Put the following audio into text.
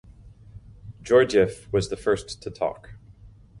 Georgiev was the first to talk.